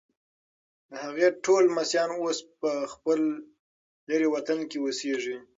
د هغې ټول لمسیان اوس په خپل لیرې وطن کې اوسیږي.